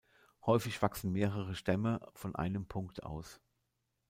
Häufig wachsen mehrere Stämme von einem Punkt aus.